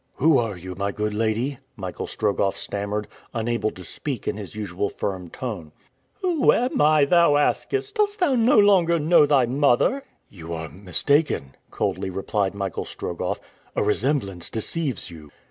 "Who are you, my good lady?" Michael Strogoff stammered, unable to speak in his usual firm tone. "Who am I, thou askest! Dost thou no longer know thy mother?" "You are mistaken," coldly replied Michael Strogoff. "A resemblance deceives you."